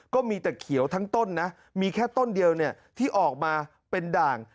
ก็มีแต่เขียวทั้งต้นนะมีแค่ต้นเดียวที่ออกมาเป็นด่าง